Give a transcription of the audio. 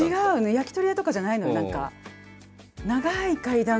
焼き鳥屋とかじゃないのよ何か。